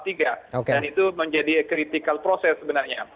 dan itu menjadi proses kritikal sebenarnya